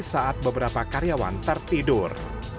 saat beberapa karyawan tertidur